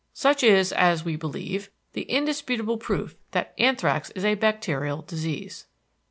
Such is—as we believe—the indisputable proof that anthrax is a bacterial disease.